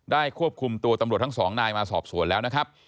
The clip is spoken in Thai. ควบคุมตัวตำรวจทั้งสองนายมาสอบสวนแล้วนะครับ